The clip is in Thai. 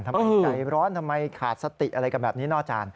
ทำไมใจร้อนทำไมขาดสติอะไรแบบนี้นอกจัน